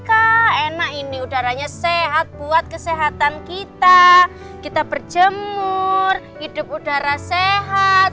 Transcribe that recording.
kah enak ini udaranya sehat buat kesehatan kita kita berjemur hidup udara sehat